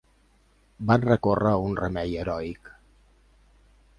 Van recórrer a un remei heroic.